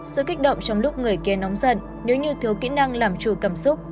sự kích động trong lúc người kia nóng giận nếu như thiếu kỹ năng làm chủ cảm xúc